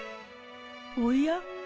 おや？